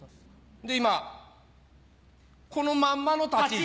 で今このまんまの立ち位置。